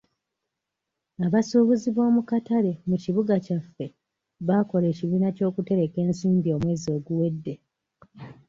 Abasuubuzi b'omu katale mu kibuga kyaffe baakola ekibiina ky'okutereka ensimbi omwezi oguwedde.